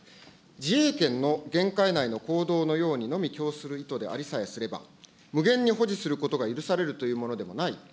自衛権の限界内の行動のようにのみ供する意図でありさえすれば、無限に保持することが許されるというものでもない。